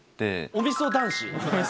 おみそ男子。